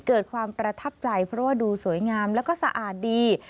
เกิดความประทับใจเพราะว่าดูสวยงามแล้วก็สะอาดดี